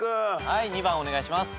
はい２番お願いします。